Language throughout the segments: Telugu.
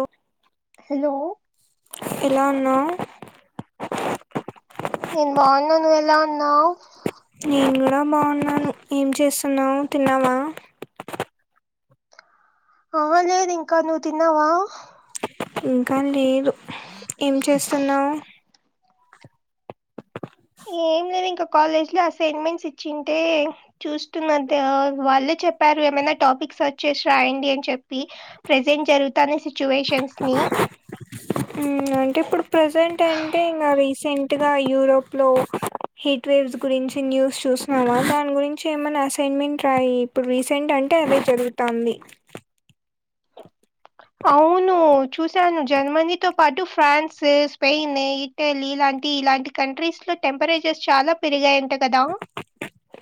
ఒ హెలో ఎలా వున్నావ్ నేన్ బావున్న నువ్వెలా ఉన్నావ్ నేన్ గూడా బావున్నాను ఏం చేస్తున్నావ్ తిన్నావా అవ్వలేదింకా నువ్ తిన్నావా ఇంకా లేదు ఏం చేస్తున్నావ్ ఏం లేదు ఇంక కాలేజ్ లో అసైన్మెంట్స్ ఇచ్చింటే చూస్తున్నదా వాళ్ళే చెప్పారు ఏమైనా టాపిక్ సర్చ్ చేసి రాయండి అని చెప్పి ప్రెజెంట్ జరుగుతనే సిచ్యువేషన్ ఉమ్ అంటే ఇప్పుడు ప్రెజెంట్ అంటే ఇంగా రీసెంట్ టుగా యూరోప్ లో హీట్ వేవ్స్ గురించి న్యూస్ చూసన్నామా దాని గురి చి ఏమన్నా అసైన్మెంట్ రాయి ఇప్పుడు రీసెంట్ అంటే అదే జరుగుతాంది అవును చూశాను జర్మనీతోపాటు ఫ్రాన్స్ స్పెయిన్ ఇటలీ ఇలాంటి కంట్రీస్ లో టెంపరేచర్స్ చాలా పెరిగాయంట కదా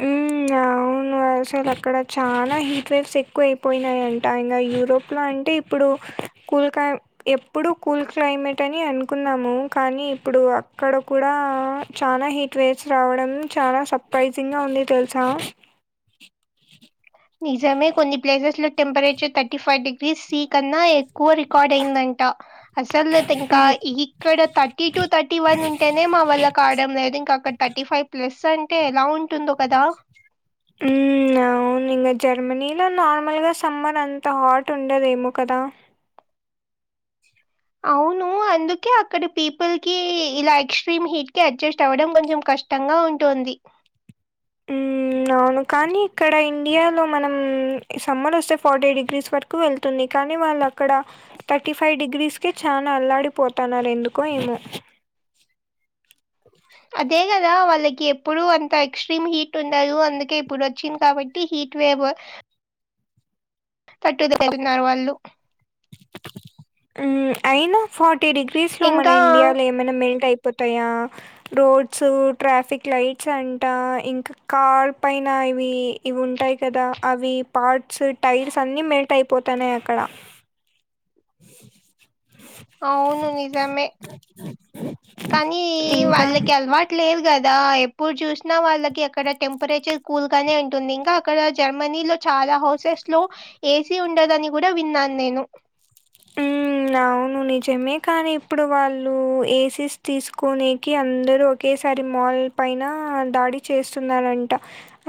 ఉమ్ యా అవును అసలు అక్కడ చాలా హీట్ వేవ్స్ ఎక్కువ అయిపోయినాయయంట ఇంగ యూరోప్ లో అంటే ఇప్పుడు కొలకత్తా ఎప్పుడు కూల్ క్లైమేట్ అని అనుకున్నాము కానీ ఇప్పుడు అక్కడ కూడా చాలా హీట్ వేవ్స్ రావడం చాలా సర్ప్రైజింగ్గా ఉంది తెలుసా నిజమే కొన్ని ప్లేసెస్ లో temperature thirty five degrees C కన్నా ఏక్కువ రికార్డ్ అయిందంట అసలు తింకా హ్మ్. ఈ ఇక్కడ థర్టీ టూ థర్టీ వన్ ఉంటేనే మా వల్ల కావడం లేదు ఇంకా అక్కడ థర్టీ ఫైవ్ ప్లస్ అన్ టే ఎలా ఉంటుందో కదా బ్లాంక్ అవునింగ జర్మనీలో నార్మల్గా సమ్మర్ అంత హాట్ ఉండదేమో కదా అవును అందుకే అక్కడ పీపుల్ కి ఇలా ఎక్స్ట్రీమ్ హీట్ కి అడ్జస్ట్ అవ్వడం కొంచెం కష్ ష్టంగా ఉంటుంది ఉమ్ అవును కానీ ఇక్కడ ఇండియాలో మనం సమ్మర్ వస్తే ఫార్టీ డిగ్రీస్ వరకు కు వెళ్తుంది కానీ వాళ్ళక్కడ థర్టీ ఫైవ్ డిగ్రీస్ కే చానా అల్లాడిపోతున్నారూ ఎందుకో ఏమో అదే కదా వాళ్ళకి ఎప్పుడు అంత ఎక్స్ట్రీమ్ హీట్ ఉండదు అందుకే ఇప్పుడు వచ్చింది కాబట్టి హిట్ వేవ్ బో తట్టుదగన్నారు వాళ్ళు హ్మ్ అయినా ఫార్టీ డిగ్రీస్లో మన ఇంకా ఇండియాలో ఏమైనా మెల్ట్ అయిపోతాయా రోడ్స్ ట్రాఫిక్ లైట్స్ అంట ఇంకా కార్ పైన ఇవి ఇవి ఉంటాయి కదా అవి పార్ట్స్ టైర్స్ అన్ని మెల్ట్ అయిపోతాన్నాయి అక్కడ [inaudible] అవును నిజమే కానీ ఇంకా వాళ్ళకి అలవాటు లేదు కదా ఎప్పుడు చూసినా వాళ్ళకి అక్కడ టెంపరేచర్ కూల్ గానే ఉంటుంది ఇంకా అక్కడ జర్మనీలో చాలా హౌసెస్ లో ఏసీ ఉండదని కూడా విన్నాను నేను ఉమ్ అవును నిజమే కానీ ఇప్పుడు వాళ్ళు ఏసీస్ తీసుకోని కి అందరు ఒకేసారి మాల్ పైన దాడి చేస్తున్నారంట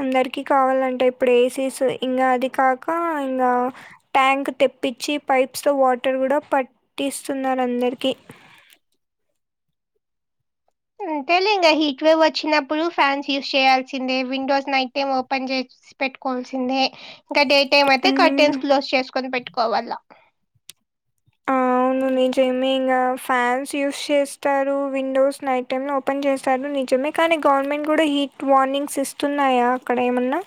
అందరికీ కావాలంటే ఇప్పుడు ఏసీస్ ఇంకా అది కాక ఇంకా ట్యాంక్ తెప్పించి పైప్స్ తో వాటర్ కూడా పట్టిస్తున్నారు అందరికి అంతేలే ఇంకా హీట్ వేవ్ వచ్చినప్పుడు ఫ్యాన్స్ యూజ్ చేయాల్సిందే విండోస్ నైట్ టైమ్ ఓపెన్ చేసి పెట్టుకోవాల్సిందే ఇంకా డే టైమ్ అయితే హ్మ్. కర్టెన్స్ క్లోజ్ చేసుకొని పెట్టుకోవాలా హమ్ నిజమే ఇగా ఫ్యాన్స్ యూస్ చేస్తారు windows night time open open చేస్తారు నిజమే కానీ గవర్నమెంట్ కూడా హీట్ వార్నింగ్స్ ఇస్తున్నాయా అక్కడ ఏమన్నా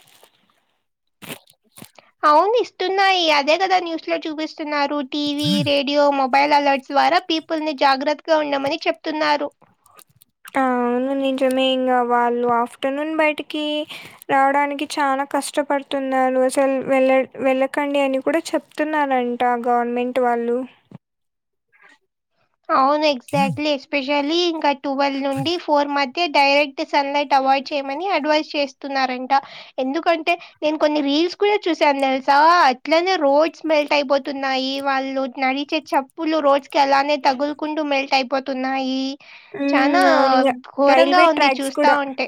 అవును ఇస్తున్నాయి అదే కదా న్యూస్ లో చూపిస్తున్నారు టీవీ రేడియో మొబైల్ బయల్ అలర్ట్స్ ద్వారా పీపుల్ ని జాగ్రత్తగా ఉండమని చెప్తున్నారు ఆ అవును నింజమే ఇంగ వాళ్ళు ఆఫ్టర్నూన్ బయటికి రావడానికి చాలా కష్టపడుతున్నారు అసలు వెళ్ళ వెళ్ళకండి అని కూడా చెప్ ప్తున్నారంట గవర్నమెంట్ వాళ్ళు అవును ఎగ్జాక్ట్లీ ఎస్పెషలీ ఇంకా ట్వెల్వ్ నుండి ఫోర్ మధ్ అయితే డైరెక్ట్ సన్ లైట్ అవాయిడ్ చేయమని అడ్వైజ్ చేస్తున్నారంట ఎందుకంటే నేను కొన్ని రీల్స్ కూడా చూసాను తెలుసా అట్లనే రోడ్స్ మెల్ట్ అయిపోతున్నాయి వాళ్ళు నడి ఇచ్చే చెప్పులు రోజు కలానే తగులుకుంటూ మెల్ట్ అయిపోతున్నాయి చనా హ్మ్. అవునింగ ఘోరంగా రైల్వే ఉంది ట్రాక్స్ చూస్తా కూడా ఉంటే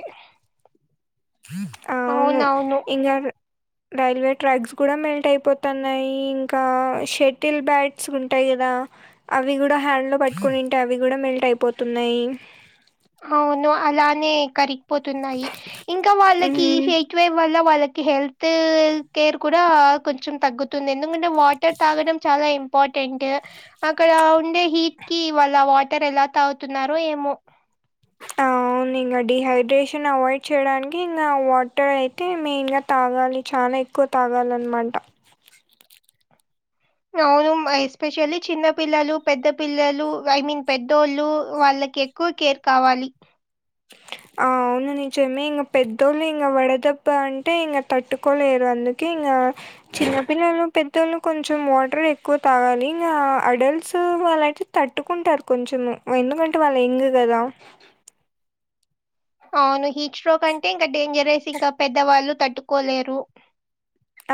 అవును అవునవును. ఇంగారు రైల్వే ట్రాక్స్ కూడా మెల్ట్ అయిపోతన్నాయి ఇంకా షటిల్ బ్యాట్స్ ఉంటాయి కదా అవి కూడా హ్యాండ్ లో పట్టుకొనింటే అవి కూడా మెల్ట్ అయిపోతున్నాయి అవును అలానే కరిగిపోతున్నాయి ఇంకా వాళ్ళకి హ్మ్. హే ట్వేవ్ వల్ల వాళ్ళకి హెల్త్ కేర్ కూడా కొంచెం తగ్గుతుంది ఎందుకంటే వాటర్ తాగడం చాలా ఇంపార్టెంట్ అక్కడ ఉండే హీట్ కి వాళ్ళ వాటర్ ఎలా తాగుతున్నారో ఏమో అవును ఇంగా డిహైడ్రేషన్ అవాయిడ్ చేయడానికి ఇంకా వాటర్ అయితే మెయిన్ గా తాగాలి చానా ఎక్కువ తాగాలన్నమాట అవును మా ఎస్పెషల్లీ చిన్న పిల్లలు పెద్ద పిల్లలు ఐ మీన్ పెద్దోళ్ళు వాళ్ళకి ఎక్కు కేర్ కావాలి ఆ అవును నిజమే ఇంగ పెద్దోళ్ళు ఇంగ వడదెబ్బ అంటే ఇంకా తట్టుకోలేరు అందుకే ఇంకా చిన్నపిల్లలు పెద్దోళ్ళు కొంచెం వాటర్ ఎక్కువ తాగాలి ఇంగా అడల్ట్స్ వాలాయితే తట్టుకుంటారు కొంచెం ఎందుకంటే వాళ్ళు ఎంగ్ కదా అవును హీట్ స్ట్రోక్ అంటే ఇంకా డేంజరేస్ ఇంకా పెద్దవాళ్ళు తట్టుకోలేరు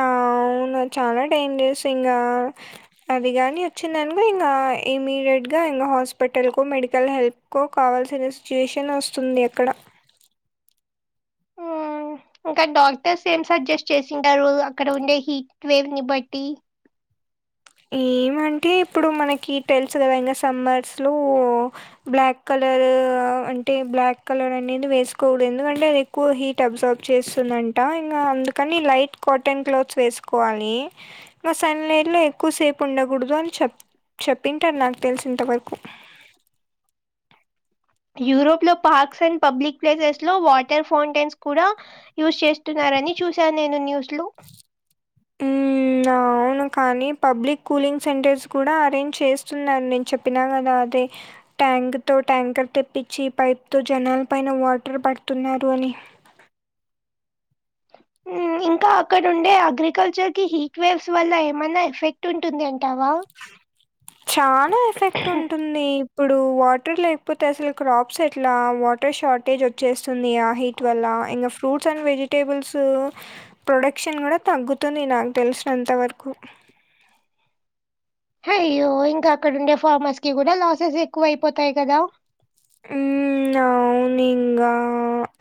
ఆ అవును చాలా డేంజరస్ ఇంగా అది కాని వచ్చిందనుకో ఇంగా ఇమీడియట్గా ఇంగా హాస్పటల్కో మెడికల్ హెల్ప్ కో కావాల్సిన సిచ్యువేషన్ వస్తుంది అక్కడ ఆ ఇంకా డాక్టర్స్ ఏం సజెస్ట్ చేసింటారు అక్కడ ఉండే హీట్ వేవ్ ని బట్టి ఏమంటే ఇప్పుడు మనకి టలుస వెంగా సమ్మర్స్లో బ్లాక్ కలర్ అంటే బ్లాక్ కలర్ అనేది వేసుకోకూడదు ఎందుకంటే అది ఎక్కువ హీట్ అబ్జార్బ్ చేస్తుందంట ఇంకా అందుకని లైట్ కాటన్ క్లాత్స్ వేసుకోవాలి ఇం సన్లైట్ లో ఎక్కువసేపు ఉండకూడదు అని చెప్ చెప్పింటారు నాకు తెలిసి ఇంతవరకు యూరోప్ లో పార్క్స్ అండ్ పబ్లిక్ ప్లేసెస్ లో వాటర్ ఫౌంటైన్స్ కూడా యూజ్ చేస్తున్నారని చూశాను నేను న్యూస్ లో మ్మ్ మ్మ్ అవును కానీ పబ్లిక్ కూలింగ్ సెంటర్స్ కూడా అరేంజ్ చేస్తున్నారు నేను చెప్ చెప్పిన కదా అది ట్యాంక్ తో ట్యాంకర్ తెప్పించి పైప్ తో జనాల పైన వాటర్ పడుతున్నారు అని మ్మ్ ఇంకా అక్కడ ఉండే అగ్రికల్చర్ కి హీక్వేవ్స్ వల్ల ఏమన్నా ఎఫెక్ట్ టుంటుంది అంటావా నే ఇప్పుడు వాటర్ లేకపోతే అసలు క్రాప్స్ ఎట్లా వాటర్ షార్టేజ్ వచ్చేస్తుంది ఆహి ట్వల్లా ఇంగ ఫ్రూట్స్ అండ్ వెజటేబుల్స్ ప్రొడక్షన్ కూడా తగ్గుతుంది నాకు తెలిసినంత వరకు అయ్యో ఇంకా అక్కడ ఉండే ఫార్మర్స్ కి కూడా లాసెస్ ఎక్కువ అయిపోతాయి కదా మ్మ్ అవును ఇంగ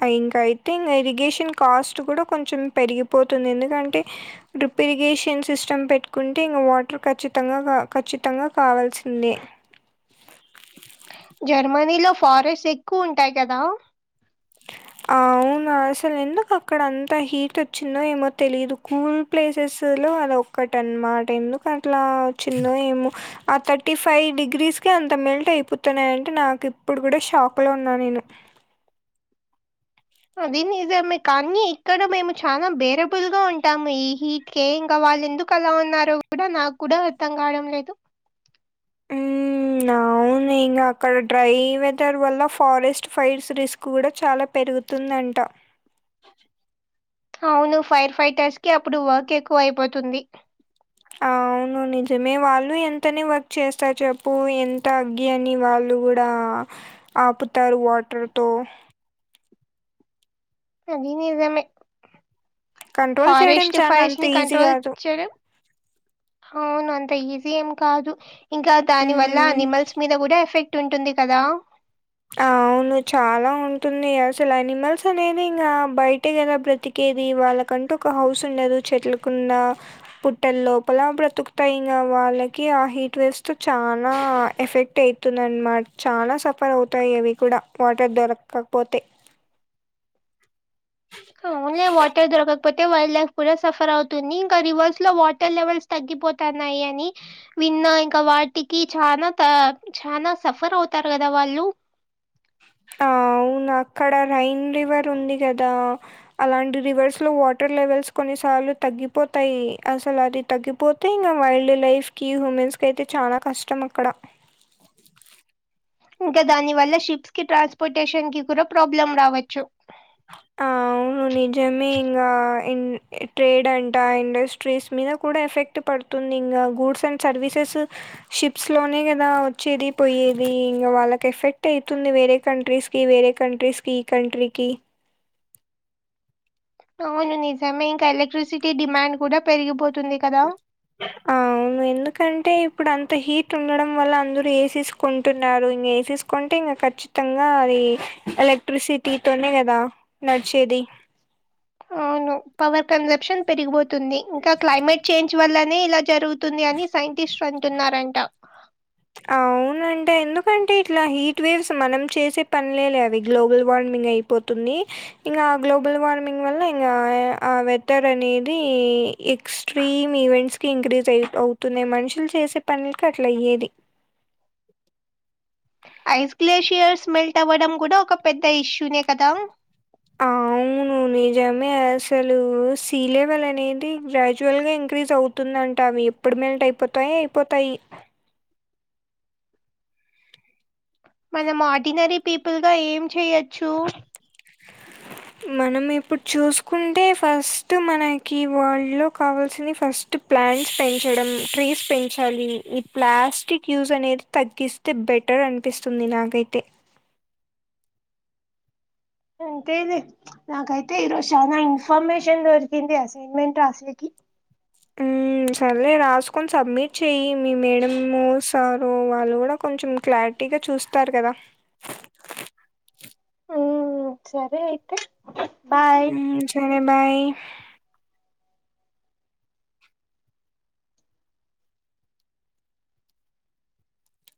ఆ ఇంకా అయితే ఇంగ ఇరిగేషన్ కాస్ట్ కూడా కొంచెం పెరిగిపోతుంది ఎందుకంటే డ్రిప్ ఇరిగేషన్ సిస్టమ్ పెట్టుకుంటే ఇంగ వాటర్ ఖచ్చితంగా ఖచ్చితంగా కావాల్సిందే జర్మనీలో ఫారెస్ట్ ఎక్కువ ఉంటాయి కదా అవునా అసలు ఎందుకు అక్కడ అంత హీట్ వచ్చిందో ఏమో తెలిదు కూల్ ప్లేసెస్లో అది ఒక్కట అనమాట ఎందుకు అట్ల వచిందో ఏమో ఆ థర్టీ ఫైవ్ డిగ్రీస్కె అంత మెల్ట్ అయిపోతున్నాయంటే నాకు ఇప్పుడు కూడా షాక్ లో ఉన్నా నేను అది నిజమే కానీ ఇక్కడ మేము చాలా బేరబుల్ గా ఉంటాము ఈ హి కే ఇంక వాళ్ళు ఎందుకు అలా ఉన్నారో కూడా నాకు కూడా అర్థం కావడం లేదు [unintelligible] హ్మ్. అవును ఇంగ అక్కడ డ్రై వెదర్ వల్ల ఫారెస్ట్ ఫైర్స్ రిస్క్ కూడా చాలా పెరుగుతుందంట అవును ఫైర్ ఫైటర్స్ కి అప్పుడు వర్క్ ఎక్కువ అయిపోతుంది [unintelligible] అవును నిజమే వాళ్ళు ఎంతనే వర్క్ చేస్తారు చెప్పు ఎంత అగ్గి అని వాళ్ళు కూడా ఆపుతారు వాటర్తో అది నిజమే కంట్రోల్ చేయడం ఫారెస్ట్ చానా అంత ఫైర్స్ని ఈజీ కంట్రోల్ గాదు. చెయ్యడం అవును అంత ఈజీ ఏం కాదు ఇంకా దాని వల్ల హ్మ్. అనిమల్స్ మీద కూడా ఎఫెక్ట్ ఉంటుంది కదా అవును చాలా ఉంటుంది అసలు అనిమల్స్ అనేవి ఇంగ బయటె కదా బ్రతి కేది వాళ్ళకంటూ ఒక హౌస్ ఉండదు చెట్లకున్న పుట్టల లోపల బ్రతుకుతయి ఇంగ వాళ్ళకి ఆ హీట్ వేవ్స్ తో చాలా ఎఫెక్ట్ అయి తుందనమాట చాలా సఫర్ అవుతాయి అవి కూడా వాటర్ దొరకపోతే ఆ ఓన్లీ వాటర్ దొరకకపోతే వైల్డ్ లైఫ్ కూడా సఫర్ అవుతుంది ఇంకా రివర్స్ లో వాటర్ లెవెల్స్ తగ్గిపోతన్నాయి అని విన్నా ఇంకా వాటికి చానా త చానా సఫర్ అవుతారు కదా వాళ్ళు [unintelligible] ఆ అవును అక్కడ రైన్ రివర్ ఉంది కదా అలాంటి రివర్స్ లో వాటర్ లెవెల్స్ కొన్నిసార్లు తగ్గిపోతాయి అసలు అది తగ్గిపోతే ఇంకా వైల్డ్ లైఫ్కి హ్యూమెన్స్కి అయితే చాలా కష్టం అక్కడ ఇంకా దాని వల్ల షిప్స్ కి ట్రాన్స్పోర్టేషన్ కి కూడా ప్రాబ్లం రావచ్చు అవును నిజమే ఇంగ ఇన్ ట్రేడ్ అంట ఇండస్ట్రీస్ మీద కూడా ఎఫెక్ట్ క్ట్ పడుతుంది ఇంగ గూడ్స్ అండ్ సర్వీసెస్ షిప్స్ లోనే కదా వచ్చేది పొయ్యేది ఇంగ వాళ్ళకి ఎఫెక్ట్ అయితుంది వేరే కంట్రీస్ కి వేరే కంట్రీస్కి కంట్రీకి అవును నిజమే ఇంకా ఎలక్ట్రిసిటీ డిమాండ్ కూడా పెరిగిపోతుంది కదా అవును ఎందుకంటే ఇప్పుడు అంత హీట్ ఉండడం వల్ల అందురు ఏసేసుకుంటున్నారు ఇంగ ఎసెస్ కుంటే ఇంకా ఖచ్చితంగా అది ఎలక్ట్రిసిటీతోనే కదా నడిచేది అవును పవర్ కన్జంప్షన్ పెరిగిపోతుంది ఇంకా క్లైమేట్ చేంజ్ వల్లనే ఇలా జరుగు తుంది అని సైంటిస్ట్ అంటున్నారంట అవున్ ను అంటే ఎందుకంటే ఇట్ల హీట్ వేవ్స్ మనం చేసే పనిలేలే అవి గ్లోబల్ వార్మింగ్ అయిపోతుంది ఇంగ ఆ గ్లోబల్ వార్మింగ్ వల్ల ఇంగ ఆ ఆ వెదర్ అనేది ఎక్స్ట్రీమ్ ఈవెంట్స్కి ఇంక్రీజ్ అయి అవుతుంది మనుషుల్ చేసే పనుల్ కి అట్లా అయ్యేది ఐస్ గ్లేషియర్స్ మెల్ట్ అవ్వడం కూడా ఒక పెద్ద ఇష్యూనే కదా అవును నిజమే అసలు సీ లెవెల్ అనేది గ్రాజవ్యల్ గా ఇంక్రీజ్ అవుతుందంటా అవి ఇప్పుడు మెల్ట్ అయిపోతాయ్ అయిపోతాయి మనం ఆడినరీ పీపుల్గా ఏం చెయచ్చు మనం ఇప్పుడు చూసుకుంటే ఫస్ట్ మనకి వాళ్లో కావాల్సింది ఫస్ ప్లాంట్స్ పెంచడం ట్రీస్ పెంచాలి ఈ ప్లాస్టిక్ యూజ్ అనేది తగ్గిస్ అయితే బెటర్ అనిపిస్తుంది నాకైతే అంతేలే నాకైతే ఈరోజు చానా ఇన్ఫర్మేషన్ దొరికింది అసైన్మెంట్ రాసెకి ఉ సార్లేే రాసుకొని సబ్మిట్ చెయి మీ మేడము సారు వాళ్ళు కూడా కొంచెం క్లా ట్గా చూస్తారు కదా ఉమ్ సరే అయితే బాయ్ హు చరే భాయ్